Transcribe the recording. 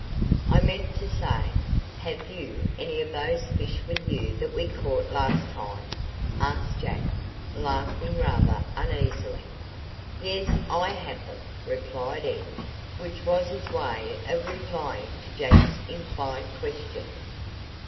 "I meant to say, have you any of those fish with you that we caught last time?" asked Jack, laughing rather uneasily. "Yes, I have them," replied Ed, which was his way of replying to Jack's implied question.